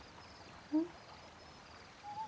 うん？